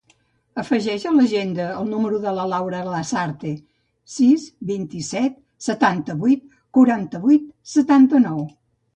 Afegeix a l'agenda el número de la Laura Lasarte: sis, vint-i-set, setanta-vuit, quaranta-vuit, setanta-nou.